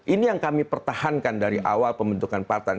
ini yang kami pertahankan dari awal pembentukan partai